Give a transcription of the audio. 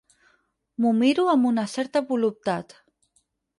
M'ho miro amb una certa voluptat.